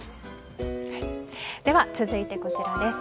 では続いてこちらです。